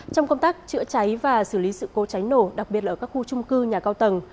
trong công tác chữa cháy và xử lý sự cố cháy nổ đặc biệt là ở các khu trung cư nhà cao tầng